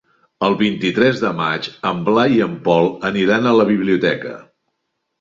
El vint-i-tres de maig en Blai i en Pol aniran a la biblioteca.